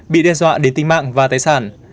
bị đe dọa đến tinh mạng và tài sản